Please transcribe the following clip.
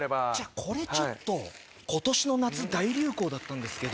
これちょっと、ことしの夏、大流行だったんですけど。